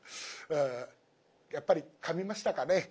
やっぱりかみましたかね。